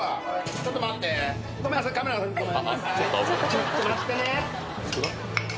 ちょっと待ってね。